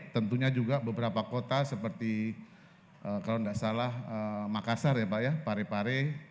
tentunya juga beberapa kota seperti kalau tidak salah makassar ya pak ya parepare